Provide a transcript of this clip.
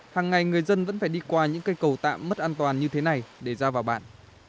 hàng ngày người dân vẫn phải đi qua những cây cầu tạm mất an toàn như thế này để ra vào bản